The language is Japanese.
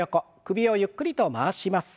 首をゆっくりと回します。